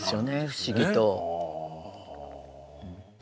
不思議と。